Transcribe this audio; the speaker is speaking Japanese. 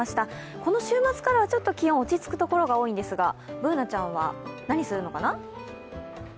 この週末からはちょっと気温が落ち着く所が多いんですが、Ｂｏｏｎａちゃんは何するのかな？